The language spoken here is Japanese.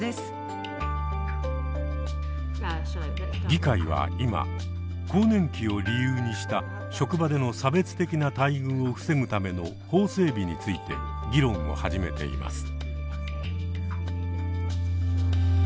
議会は今更年期を理由にした職場での差別的な待遇を防ぐための法整備について議論を始めています。